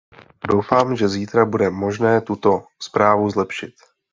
Doufám, že zítra bude možné tuto zprávu zlepšit.